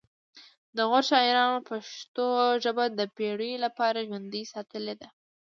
د غور شاعرانو پښتو ژبه د پیړیو لپاره ژوندۍ ساتلې ده